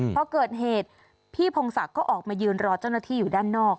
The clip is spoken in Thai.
พอเกิดเหตุพี่พงศักดิ์ก็ออกมายืนรอเจ้าหน้าที่อยู่ด้านนอก